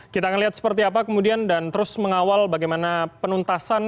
kita akan lihat seperti apa kemudian dan terus mengawal bagaimana penuntasan